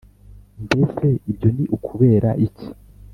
Mbese ibyo ni ukubera iki